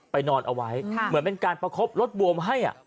นอนเอาไว้เหมือนเป็นการประคบรถบวมให้